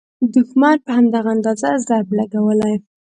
دوښمن په همدغه اندازه ضرب لګولی.